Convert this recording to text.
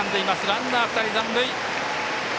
ランナー２人残塁。